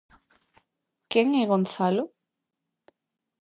Quen é Gonzalo?